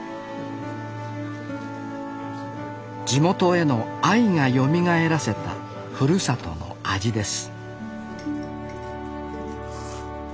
地元への愛がよみがえらせたふるさとの味です